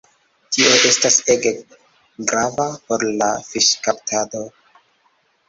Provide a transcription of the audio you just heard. Tio estas ege grava por la fiŝkaptado.